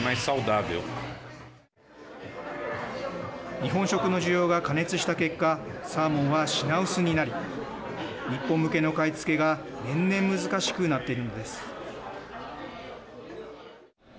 日本食の需要が過熱した結果サーモンは品薄になり日本向けの買い付けが年々難しくなっているのです。